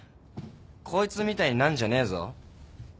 こいつみたいになんじゃねえぞ。